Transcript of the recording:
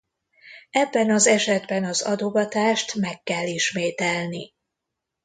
Ebben az esetben az adogatást meg kell ismételni.